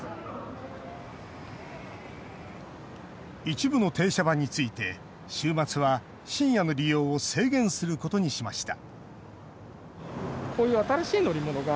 一部の停車場について週末は深夜の利用を制限することにしました。